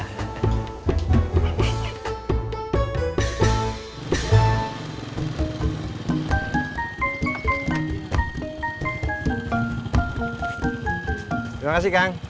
terima kasih kang